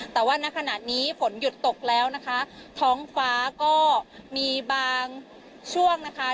แต่ว่าณขณะนี้ฝนหยุดตกแล้วนะคะท้องฟ้าก็มีบางช่วงนะคะ